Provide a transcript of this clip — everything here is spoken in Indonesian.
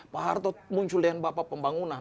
pak harto muncul dengan bapak pembangunan